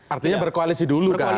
artinya berkoalisi dulu kan